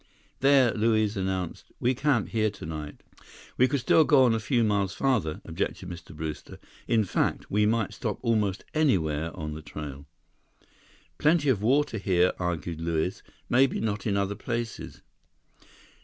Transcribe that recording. There Luiz announced, "We camp here tonight." "We could still go on a few miles farther," objected Mr. Brewster. "In fact, we might stop almost anywhere on the trail." "Plenty of water here," argued Luiz. "Maybe not in other places."